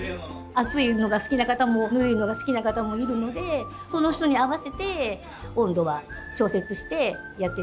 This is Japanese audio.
熱いのが好きな方もぬるいのが好きな方もいるのでその人に合わせて温度は調節してやってってますけど。